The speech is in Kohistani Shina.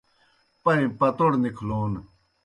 پائیں پتوڑ نِکھلون